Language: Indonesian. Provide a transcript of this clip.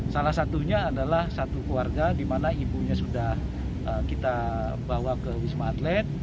salah satunya adalah satu keluarga di mana ibunya sudah kita bawa ke wisma atlet